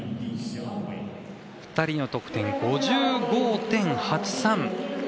２人の得点５５．８３。